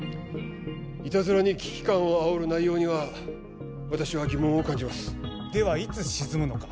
いたずらに危機感をあおる内容には私は疑問を感じますではいつ沈むのか